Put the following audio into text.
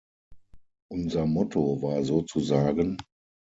Unser Motto war sozusagen .